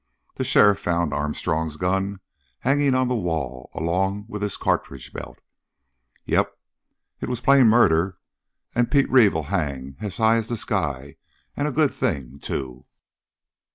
The sheriff found Armstrong's gun hanging on the wall along with his cartridge belt. Yep, it was plain murder, and Pete Reeve'll hang as high as the sky and a good thing, too!"